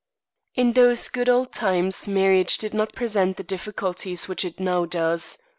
In those good old times marriage did not present the difficulties which it now does.